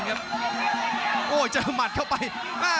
รับทราบบรรดาศักดิ์